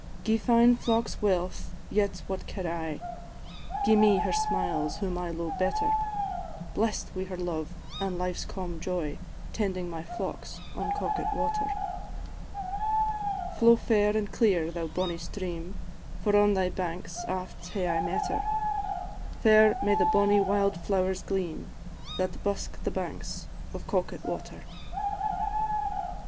"Gie fine focks wealth, yet what care I, Gie me her smiles whom I lo'e better; Blest wi' her love an' life's calm joy, Tending my flocks by Coquet water. "Flow fair an' clear, thou bonnie stream, For on thy banks aft hae I met her; Fair may the bonnie wild flowers gleam, That busk the banks of Coquet water."